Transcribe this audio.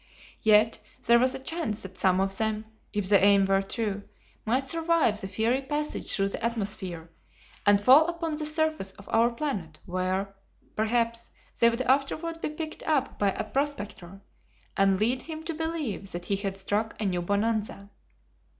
Yet, there was a chance that some of them if the aim were true might survive the fiery passage through the atmosphere and fall upon the surface of our planet where, perhaps, they would afterward be picked up by a prospector and lead him to believe that he had struck a new bonanza.